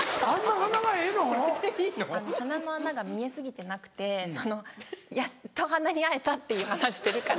鼻の穴が見え過ぎてなくてそのやっと鼻に会えたっていう鼻してるから。